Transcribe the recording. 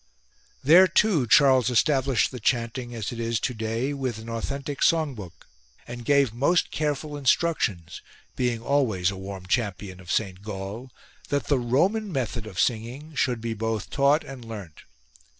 There too Charles established the chanting as it is to day, with an authentic song book, and gave most careful instruc tions, being always a warm champion of Saint Gall, that the Roman method of singing should be both taught and learnt.